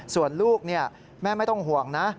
ส่วนลูกแม่ไม่ต้องห่วงนะ